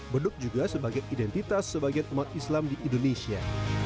beduk juga sebagai identitas sebagian umat islam di indonesia